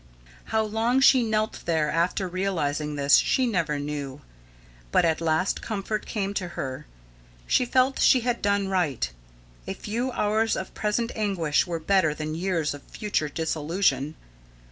How long she knelt there after realising this, she never knew. But at last comfort came to her. She felt she had done right. A few hours of present anguish were better than years of future disillusion.